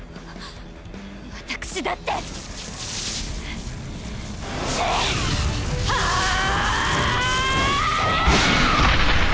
私だって！はああ！